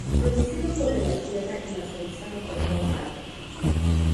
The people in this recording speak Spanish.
Producido por De La Tierra y masterizado por Tom Baker.